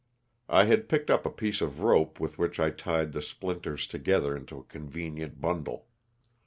I had picked up a piece of rope with which I tied the splinters together into a convenient bundle.